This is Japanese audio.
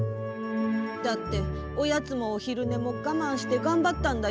だっておやつもおひるねもがまんしてがんばったんだよ。